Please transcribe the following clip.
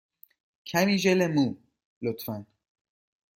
کمی ژل مو، لطفا.